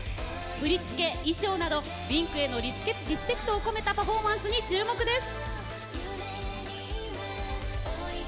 振り付け衣装などＷｉｎｋへのリスペクトを込めたパフォーマンスに注目です。